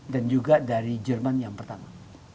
dan juga dari jerman yang pertama